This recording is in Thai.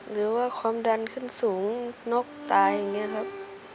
หรือว่าความดันขึ้นสูงนกตายอย่างนี้ครับ